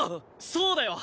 そうだよ！